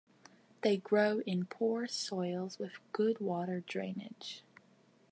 They grow in poor soils with good water drainage.